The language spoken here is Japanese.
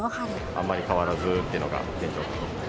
あんまり変わらずっていうのが現状です。